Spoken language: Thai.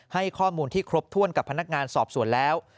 ให้ข้อมูลที่ครบถ้วนกับพนักงานสอบสวนแล้ว